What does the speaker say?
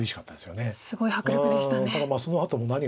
すごい迫力でしたね。